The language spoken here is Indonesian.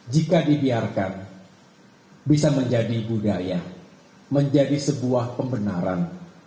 jika dibiarkan bisa menjadi budaya menjadi sebuah pembenaran